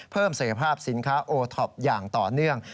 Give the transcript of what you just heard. ศักยภาพสินค้าโอท็อปอย่างต่อเนื่อง